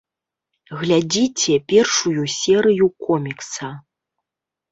Глядзіце першую серыю комікса.